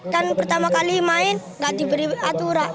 kan pertama kali main gak diberi aturan